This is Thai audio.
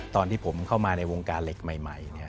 ตอนที่ผมเข้ามาในวงการเหล็กใหม่